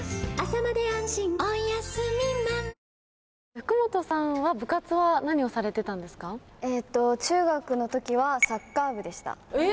福本さんは、部活は何をされ中学のときは、サッカー部でえっ？